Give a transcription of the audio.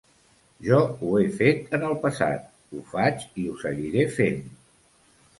Jo ho he fet en el passat, ho faig i ho seguiré fent.